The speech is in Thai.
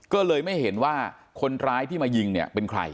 ก็เลยไม่เห็นว่าคนร้ายที่มายิงเนี่ยเป็นใคร